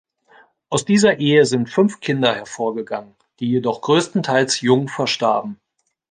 Aus dieser Ehe sind fünf Kinder hervorgegangen, die jedoch größtenteils jung verstarben.